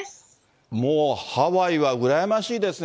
もうハワイは羨ましいですね。